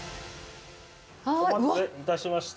お待たせいたしました。